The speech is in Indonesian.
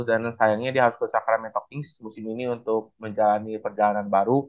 dan sayangnya dia harus usah kerennya talking musim ini untuk menjalani perjalanan baru